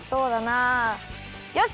よし！